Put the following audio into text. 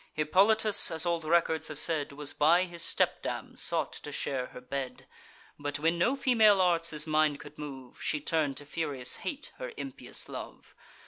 Hippolytus, as old records have said, Was by his stepdam sought to share her bed; But, when no female arts his mind could move, She turn'd to furious hate her impious love.